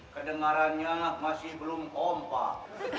kedengarannya masih belum ompak